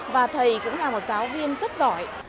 và thầy cũng là một giáo viên rất giỏi